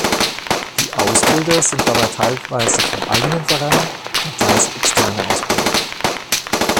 Die Ausbilder sind dabei teilweise vom eigenen Verein und teils externe Ausbilder.